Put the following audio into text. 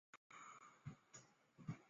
清代直隶遵化州丰润县人。